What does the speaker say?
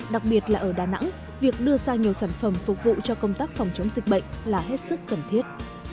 đặc biệt là ở đà nẵng việc đưa ra nhiều sản phẩm phục vụ cho công tác phòng chống dịch bệnh là hết sức cần thiết